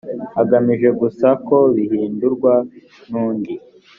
agamije gusa ko bihindurwa n undi